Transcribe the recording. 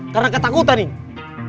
karena ketakutan nih